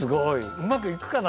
うまくいくかな？